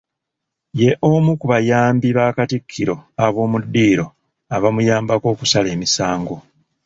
Ye omu ku bayambi ba Katikkiro ab'omu ddiiro abamuyambako okusala emisango.